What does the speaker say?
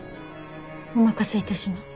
お任せいたします。